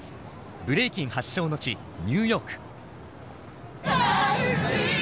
ブレイキン発祥の地ニューヨーク。